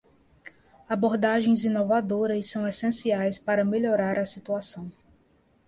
Abordagens inovadoras são essenciais para melhorar a situação.